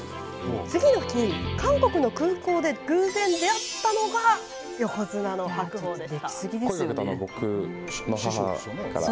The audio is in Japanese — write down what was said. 次の日、韓国の空港で偶然出会ったのが横綱の白鵬でした。